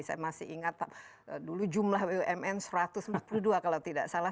saya masih ingat dulu jumlah bumn satu ratus empat puluh dua kalau tidak salah